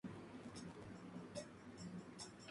El museo está distribuido en cuatro plantas.